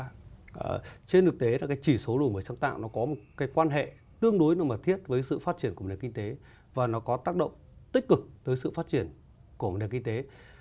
trên thực tế là cái chỉ số đổi mới sáng tạo nó có một cái quan hệ tương đối mật thiết với sự phát triển của nền kinh tế và nó có tác động tích cực tới sự phát triển của nền kinh tế